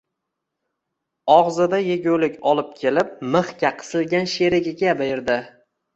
Ogʻzida yegulik olib kelib, mixga qisilgan sherigiga berdi